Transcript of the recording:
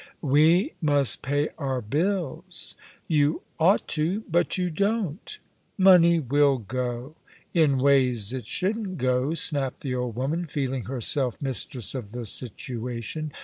"We must pay our bills." "You ought to, but you don't." "Money will go." "In ways it shouldn't go," snapped the old woman, feeling herself mistress of the situation.